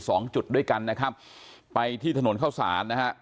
สองจุดด้วยกันนะครับไปที่ถนนเข้าศาลนะฮะ